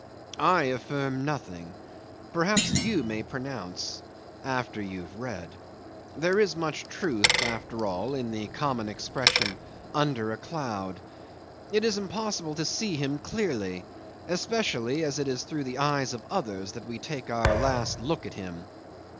'I affirm nothing. Perhaps you may pronounce after you've read. There is much truth after all in the common expression "under a cloud." It is impossible to see him clearly especially as it is through the eyes of others that we take our last look at him.